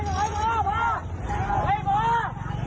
ไอ้โอ้มมึงจะเอากูเปล่า